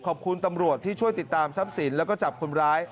ตำรวจที่ช่วยติดตามทรัพย์สินแล้วก็จับคนร้าย